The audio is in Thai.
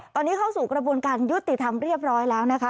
ตอนนี้เข้าสู่กระบวนการยุติธรรมเรียบร้อยแล้วนะคะ